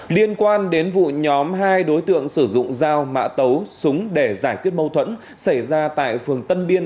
liên quan đến vụ nhóm hai đối tượng sử dụng dao mã tấu súng để giải quyết mâu thuẫn xảy ra tại phường tân biên